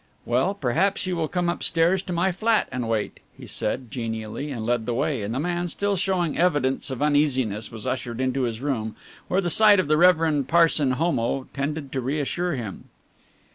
"Well, perhaps you will come upstairs to my flat and wait," he said genially, and led the way, and the man, still showing evidence of uneasiness, was ushered into his room, where the sight of the Rev. Parson Homo tended to reassure him.